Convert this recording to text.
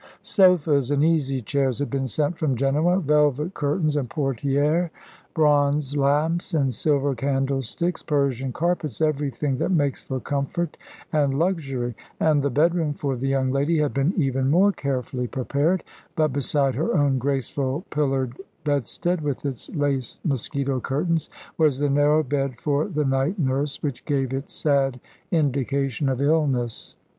Sofas and easy chairs had been sent from Genoa, velvet curtains and portières, bronze lamps, and silver candlesticks, Persian carpets, everything that makes for comfort and luxury; and the bedroom for the young lady had been even more carefully prepared; but, beside her own graceful pillared bedstead, with its lace mosquito curtains, was the narrow bed for the night nurse, which gave its sad indication of illness.